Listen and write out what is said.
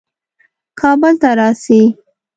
کابل ته راسي.